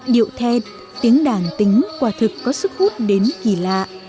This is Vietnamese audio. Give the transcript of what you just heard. điệu thên tiếng đàn tính quà thực có sức hút đến kỳ lạ